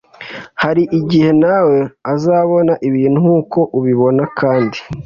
Hari igihe na we azabona ibintu nk uko ubibona kandi